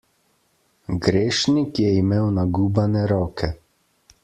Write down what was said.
Grešnik je imel nagubane roke.